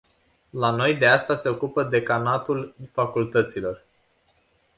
La noi de asta se ocupă decanatul facultăților.